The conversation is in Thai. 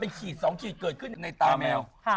ขีด๒ขีดเกิดขึ้นในตาแมว